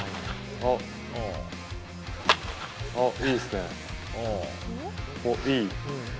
おっ、いい。